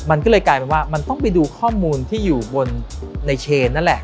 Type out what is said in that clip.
มันก็เลยกลายเป็นว่ามันต้องไปดูข้อมูลที่อยู่บนในเชนนั่นแหละ